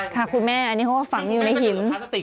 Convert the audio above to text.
คุณแม่อันนี้เขาก็ฝังอยู่ในหิน